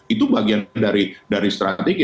itu bagian dari strategi